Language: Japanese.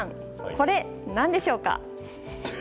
これ、何でしょうか？